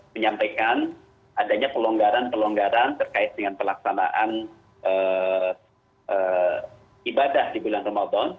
menyampaikan adanya pelonggaran pelonggaran terkait dengan pelaksanaan ibadah di bulan ramadan